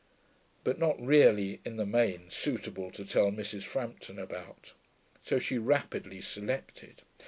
But not really, in the main, suitable to tell Mrs. Frampton about, so she rapidly selected.